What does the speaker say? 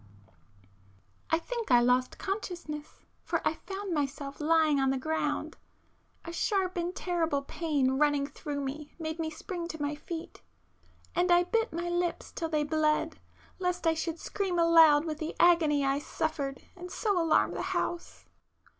I think I lost consciousness, ... for I found myself lying on the ground. A sharp and terrible pain running through me made me spring to my feet, ... and I bit my lips till they bled, lest I should scream aloud with the agony I suffered and so alarm the house.